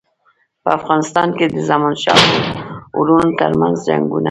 په افغانستان کې د زمانشاه او وروڼو ترمنځ جنګونه.